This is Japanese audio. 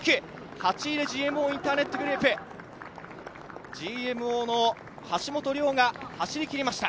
８位、ＧＭＯインターネットグループＧＭＯの橋本崚が走りきりました。